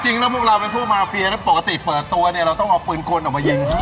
จริงแล้วพวกเราเป็นผู้มาเฟียนะปกติเปิดตัวเนี่ยเราต้องเอาปืนคนออกมายิง